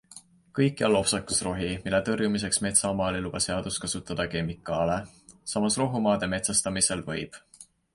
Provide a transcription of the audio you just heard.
Kõikjal lopsakas rohi, mille tõrjumiseks metsamaal ei luba seadus kasutada kemikaale, samas rohumaade metsastamisel võib.